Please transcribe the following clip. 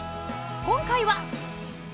［今回は］